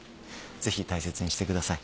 ぜひ大切にしてください。